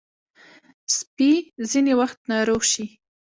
سپي ځینې وخت ناروغ شي.